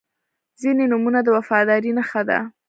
• ځینې نومونه د وفادارۍ نښه ده.